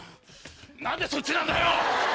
何でそっちなんだよ